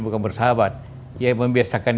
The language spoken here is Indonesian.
bukan bersahabat ya membiasakan